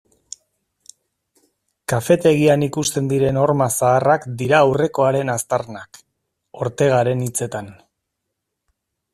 Kafetegian ikusten diren horma zaharrak dira aurrekoaren aztarnak, Ortegaren hitzetan.